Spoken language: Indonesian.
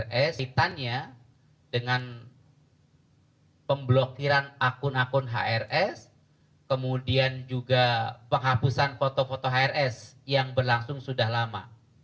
kemudian sitannya dengan pemblokiran akun akun hrs kemudian juga penghapusan foto foto hrs yang berlangsung sudah lama